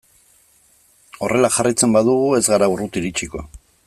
Horrela jarraitzen badugu ez gara urruti iritsiko.